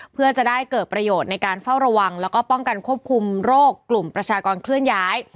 เพื่อจะได้เกิดประโยชน์ในการเฝ้าระวังแล้วก็ป้องกันควบคุมโรคกลุ่มประชากรเคลื่อนย้าย